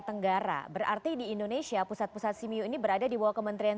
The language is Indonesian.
tenggara berarti di indonesia pusat pusat simeo ini berada di bawah kementerian